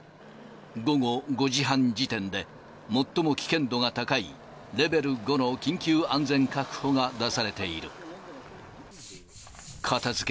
午後５時半時点で、最も危険度が高いレベル５の緊急安全確保が出されている。